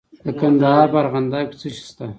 د کندهار په ارغنداب کې څه شی شته؟